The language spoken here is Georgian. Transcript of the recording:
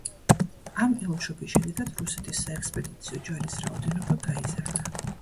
ამ ელჩობის შედეგად რუსეთის საექსპედიციო ჯარის რაოდენობა გაიზარდა.